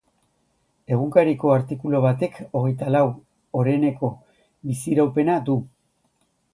Egunkariko artikulu batek hogeitalau oreneko biziraupena du.